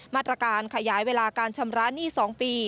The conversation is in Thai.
มาตรการขยายเวลาการชำระหนี้๒ปี